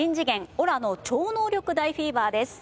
オラの超能力大フィーバー」です。